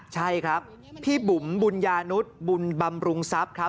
ใช่ครับพี่บุ๋มบุญญานุษย์บุญบำรุงทรัพย์ครับ